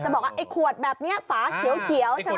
จะบอกเฦ๊ควดแบบนี้ฟ้าเขียวใช่ไหม